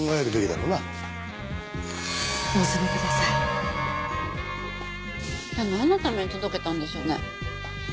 でもなんのために届けたんでしょうね？